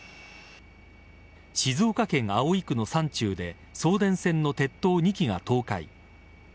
静岡県葵区の山中で送電線の鉄塔２基が倒壊。